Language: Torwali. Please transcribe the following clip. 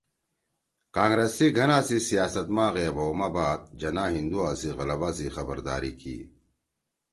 کانگرس سی گھنا سی سیاست ما غیب ہَؤ ما بعد جناح ہندوا سی غلَبہ سی خبرداری کی۔